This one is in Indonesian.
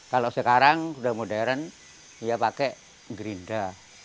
kalau sekarang udah modern ya pakai gerinda